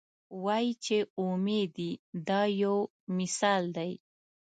وایي چې اومې دي دا یو مثال دی.